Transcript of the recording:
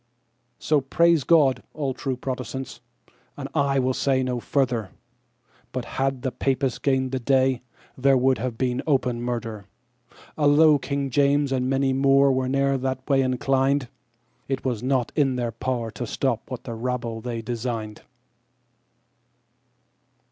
So praise God, all true Protestants, and I will say no further, But had the Papists gained that day, there would have been open murder. Although King James and many more were ne'er that way inclined, It was not in their power to stop what the rabble they designed.